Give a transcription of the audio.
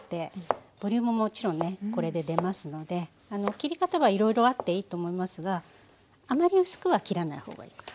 切り方はいろいろあっていいと思いますがあまり薄くは切らない方がいいかと。